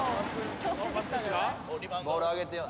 ボールあげてよ。